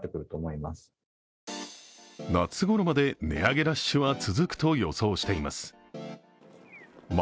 夏ごろまで値上げラッシュは続くと予想しています。